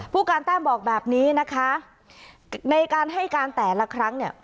ผู้การแต้มบอกแบบนี้นะคะในการให้การแต่ละครั้งเนี่ย